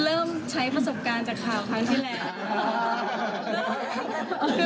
เริ่มใช้ประสบการณ์จากข่าวครั้งที่แล้ว